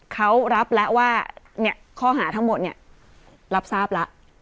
เขารับแล้วว่าข้อหาทั้งหมดเนี่ยรับทราบแล้ว